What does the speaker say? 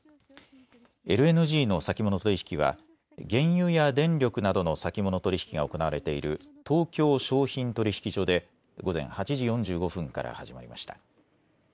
ＬＮＧの先物取引は原油や電力などの先物取引が行われている東京商品取引所で午前８時４５分から始まりました。